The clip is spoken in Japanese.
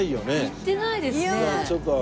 行ってないですね。